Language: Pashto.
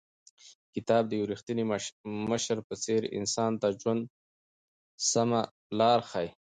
کتاب د یو رښتیني مشر په څېر انسان ته د ژوند سمه لار ښیي.